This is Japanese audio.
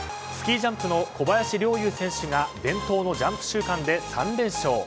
スキージャンプの小林陵侑選手が伝統のジャンプ週間で３連勝。